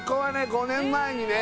５年前にね